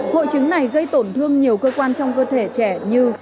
hội chứng này gây tổn thương nhiều cơ quan trong cơ thể trẻ như